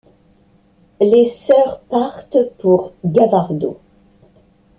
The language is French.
Les sœurs partent pour Gavardo.